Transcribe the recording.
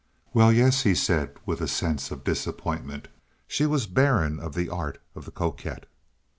"Well, yes," he said, with a sense of disappointment. She was barren of the art of the coquette.